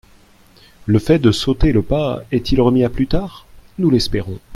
Le fait de sauter le pas est-il remis à plus tard ? Nous l’espérons.